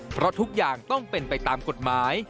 เพราะทุกอย่างต้องเป็นไปตามกฎหมาย